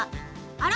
あら？